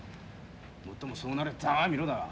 もっともそうなりゃざまあ見ろだが。